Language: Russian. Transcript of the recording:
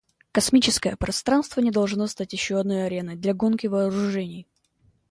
Космическое пространство не должно стать еще одной ареной для гонки вооружений.